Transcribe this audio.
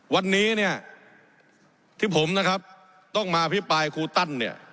วันนี้ที่ผมต้องมาพิปลายครูตั้น